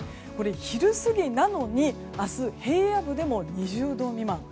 昼過ぎなのに、明日平野部でも２０度未満。